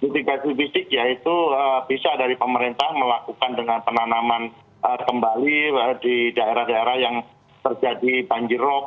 mitigasi fisik yaitu bisa dari pemerintah melakukan dengan penanaman kembali di daerah daerah yang terjadi banjirop